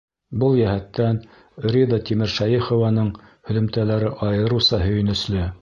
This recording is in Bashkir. Был йәһәттән Рида Тимершәйехованың һөҙөмтәләре айырыуса һөйөнөслө.